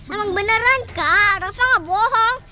emang beneran kak rafa gak bohong